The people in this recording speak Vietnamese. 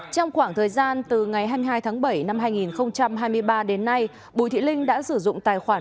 trong khoảng thời gian từ ngày hai mươi hai tháng bảy năm hai nghìn hai mươi ba đến nay bùi thị linh đã sử dụng tài khoản